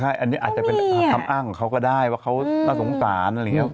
อันนี้อาจจะเป็นคำอ้างของเขาก็ได้ว่าเขาน่าสงสาร